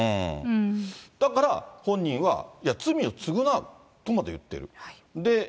だから本人は、罪を償うとまで言っている。